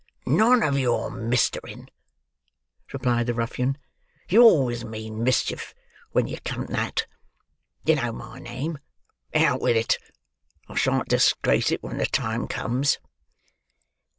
"None of your mistering," replied the ruffian; "you always mean mischief when you come that. You know my name: out with it! I shan't disgrace it when the time comes."